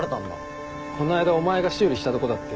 こないだお前が修理したとこだってよ。